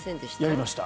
やりました。